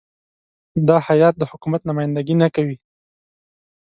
دا هیات د حکومت نمایندګي نه کوي.